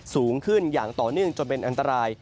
สูงขึ้นอย่างต่อเนื่องจนเป็นอันตราย